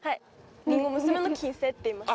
りんご娘の金星っていいます。